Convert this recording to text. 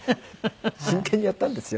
真剣にやったんですよ。